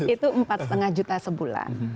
itu empat lima juta sebulan